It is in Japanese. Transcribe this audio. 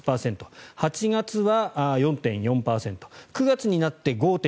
８月は４．４％９月になって５．６％